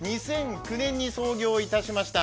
２００９年に創業いたしました。